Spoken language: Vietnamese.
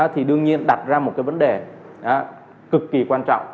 thì đương nhiên đặt ra một cái vấn đề cực kỳ quan trọng